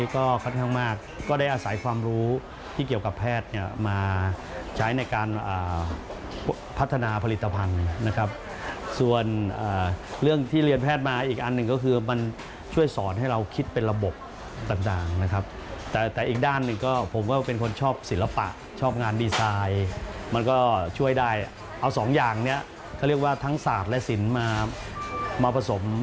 ก็ค่อนข้างมากก็ได้อาศัยความรู้ที่เกี่ยวกับแพทย์เนี่ยมาใช้ในการพัฒนาผลิตภัณฑ์นะครับส่วนเรื่องที่เรียนแพทย์มาอีกอันหนึ่งก็คือมันช่วยสอนให้เราคิดเป็นระบบต่างนะครับแต่แต่อีกด้านหนึ่งก็ผมก็เป็นคนชอบศิลปะชอบงานดีไซน์มันก็ช่วยได้เอาสองอย่างนี้เขาเรียกว่าทั้งศาสตร์และสินมามาผสม